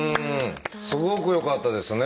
すごくよかったですね。